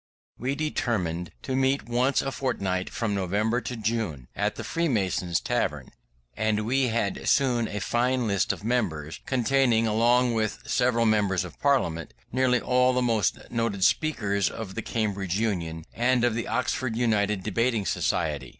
We determined to meet once a fortnight from November to June, at the Freemasons' Tavern, and we had soon a fine list of members, containing, along with several members of Parliament, nearly all the most noted speakers of the Cambridge Union and of the Oxford United Debating Society.